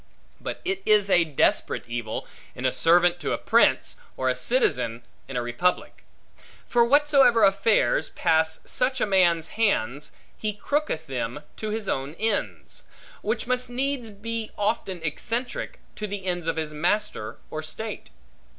But it is a desperate evil, in a servant to a prince, or a citizen in a republic. For whatsoever affairs pass such a man's hands, he crooketh them to his own ends; which must needs be often eccentric to the ends of his master, or state.